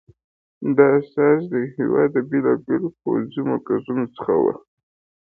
دا استازي د هېواد بېلابېلو پوځي مرکزونو څخه وو.